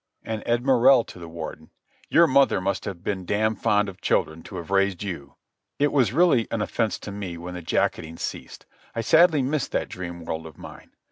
And Ed Morrell to the Warden: "Your mother must have been damn fond of children to have raised you." It was really an offence to me when the jacketing ceased. I sadly missed that dream world of mine.